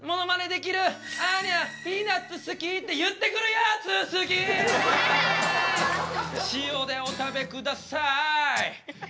アーニャピーナツ好き。って言ってくるやつ好き塩でお食べください